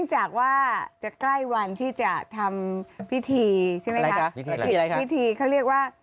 แฮชแท็กประจำวัน